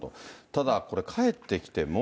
ただ、これ、帰ってきても。